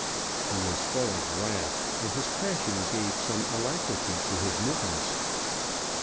He was full of wrath, and his passion gave some alacrity to his movements.